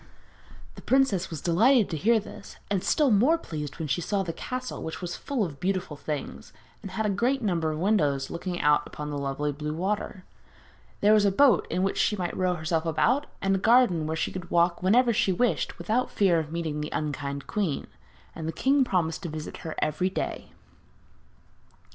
The princess was delighted to hear this, and still more pleased when she saw the castle, which was full of beautiful things, and had a great number of windows looking out on the lovely blue water. There was a boat in which she might row herself about, and a garden where she could walk whenever she wished without fear of meeting the unkind queen; and the king promised to visit her every day.